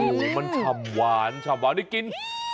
โอ้โหมันฉ่ำหวานฉ่ำหวานได้กิน